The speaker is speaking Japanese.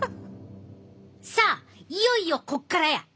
さあいよいよこっからや！